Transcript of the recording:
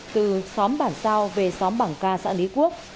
từ xóm bản sao về xóm bảng ca xã lý quốc